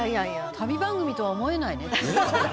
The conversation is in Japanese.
「旅番組とは思えないね」